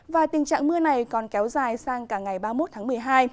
và tình trạng mưa này còn kéo dài sang cả ngày ba mươi một tháng một mươi hai